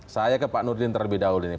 saya ke pak nurdin terlebih dahulu ini